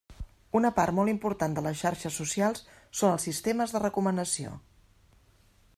Una part molt important de les xarxes socials són els sistemes de recomanació.